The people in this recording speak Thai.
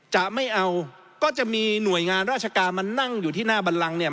จะไม่เอาก็จะมีหน่วยงานราชการมานั่งอยู่ที่หน้าบันลังเนี่ย